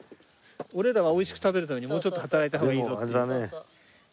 俺らは美味しく食べるためにもうちょっと働いた方がいいぞっていう。